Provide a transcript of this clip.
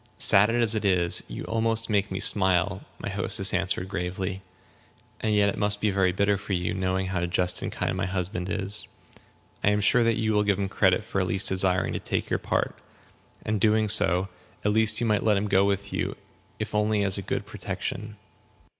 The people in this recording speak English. "Sad as it is, you almost make me smile," my hostess answered, gravely; "and yet it must be very bitter for you, knowing how just and kind my husband is. I am sure that you will give him credit for at least desiring to take your part. And doing so, at least you might let him go with you, if only as a good protection."